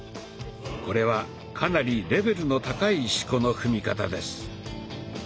これはかなりレベルの高い四股の踏み方です。